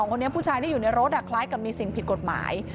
คนนี้ผู้ชายที่อยู่ในรถคล้ายกับมีสิ่งผิดกฎหมาย